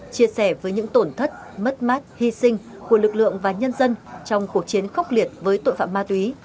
chia sẻ với những tổn thất mất mát hy sinh của lực lượng và nhân dân trong cuộc chiến khốc liệt với tội phạm ma túy